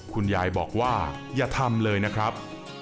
คุณยายบอกว่าอย่าทำเลยนะครับ